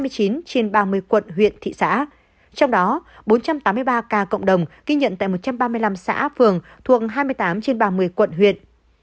một sáu trăm bốn mươi sáu ca covid một mươi chín mới ghi nhận tại ba mươi quận huyện thị xã trong đó có bốn trăm tám mươi ba ca cộng đồng ghi nhận tại một trăm ba mươi năm xã phường thuộc hai mươi tám trên ba mươi quận huyện